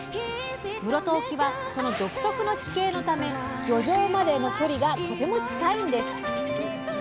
室戸沖はその独特の地形のため漁場までの距離がとても近いんです。